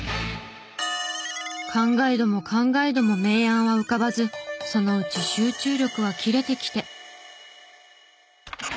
考えども考えども名案は浮かばずそのうち集中力は切れてきて。